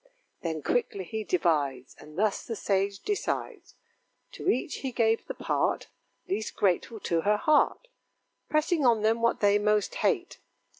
Then quickly he divides, And thus the sage decides: To each he gave the part Least grateful to her heart: Pressing on them what they most hate.